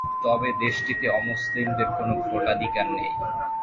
তবে দেশটিতে অমুসলিমদের কোনো ভোটাধিকার নেই।